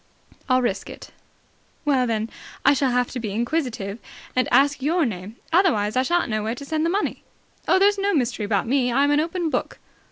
"I'll risk it." "Well, then, I shall have to be inquisitive and ask your name. Otherwise I shan't know where to send the money." "Oh, there's no mystery about me. I'm an open book."